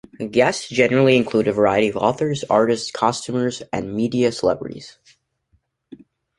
Guests generally include a variety of authors, artists, costumers and media celebrities.